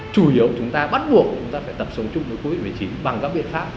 chủ yếu chúng ta bắt buộc chúng ta phải tập trung với covid một mươi chín bằng các biện pháp